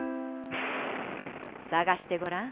さがしてごらん。